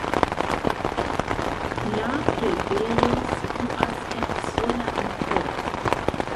La preĝejo situas en sola en korto.